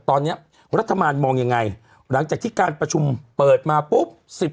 ตอนนี้รัฐบาลมองยังไงหลังจากที่การประชุมเปิดมาปุ๊บ